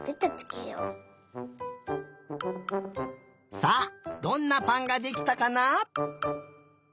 さあどんなぱんができたかな？